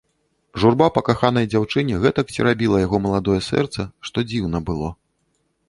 Журба па каханай дзяўчыне гэтак церабіла яго маладое сэрца, што дзіўна было.